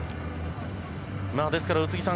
ですから宇津木さん